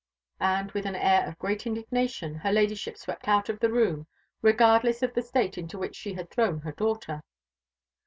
And, with an air of great indignation, her Ladyship swept out of the room, regardless of the state into which she had thrown her daughter.